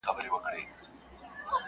ما چي ورلېږلی وې رویباره جانان څه ویل.!